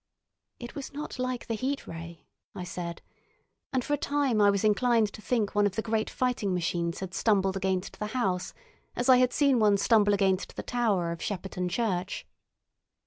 "It was not like the Heat Ray," I said, and for a time I was inclined to think one of the great fighting machines had stumbled against the house, as I had seen one stumble against the tower of Shepperton Church.